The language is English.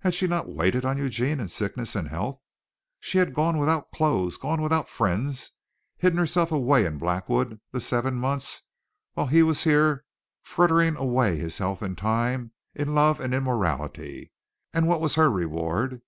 Had she not waited on Eugene in sickness and health? She had gone without clothes, gone without friends, hidden herself away in Blackwood the seven months while he was here frittering away his health and time in love and immorality, and what was her reward?